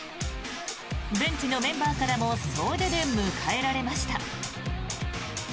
ベンチのメンバーからも総出で迎えられました。